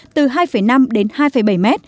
từ hai năm đến hai bảy m